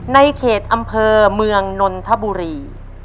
ในเขตอำเภอเมืองนนทบุรี